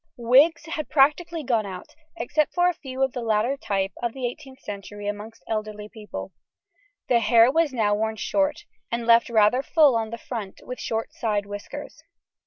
Wigs had practically gone out, except for a few of the latter type of the 18th century amongst elderly people. The hair was now worn short, and left rather full on the front, with short side whiskers.